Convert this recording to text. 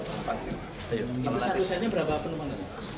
itu satu setnya berapa penumpang